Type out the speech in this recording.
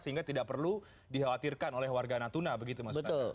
sehingga tidak perlu dikhawatirkan oleh warga natuna begitu maksud